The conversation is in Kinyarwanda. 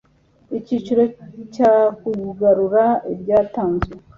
icyiciro cya kugarura ibyatanzwe